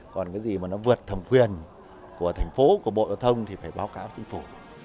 còn cái gì mà nó vượt thẩm quyền của thành phố của bộ giao thông thì phải báo cáo chính phủ